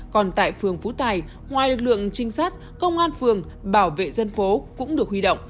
còn tại phường phú tài ngoài lực lượng trinh sát công an phường bảo vệ dân phố cũng được huy động